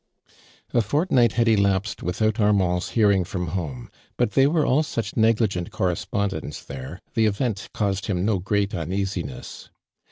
A fortnight had elapsed without Armand' s liearing from home, but they were all pach negligent correspondents there, the event caused him no great uneasiness.